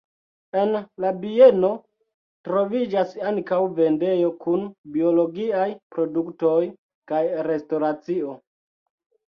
En la bieno troviĝas ankaŭ vendejo kun biologiaj produktoj kaj restoracio.